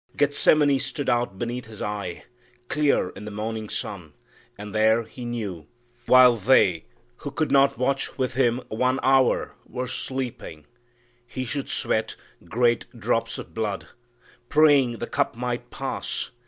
"Gethsemane stood out beneath His eye Clear in the morning sun; and there, He knew, While they who 'could not watch with Him one hour' Were sleeping, He should sweat great drops of blood, Praying the cup might pass!